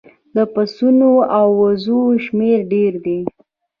د پسونو او وزو شمیر ډیر دی